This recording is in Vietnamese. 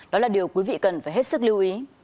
đó là điều quý vị cần phải hết sức lưu ý